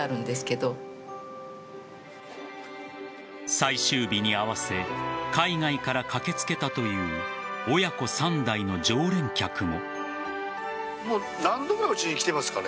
最終日に合わせ海外から駆けつけたという親子３代の常連客も。